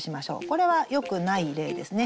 これはよくない例ですね。